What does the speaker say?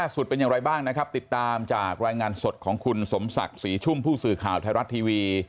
แรกสุดเป็นอย่างไรบ้างติดตามจากรายงานสดของคุณสมศักดิ์สีชุ่มพศขาวไทยรัฐทีวี